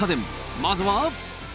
まずは。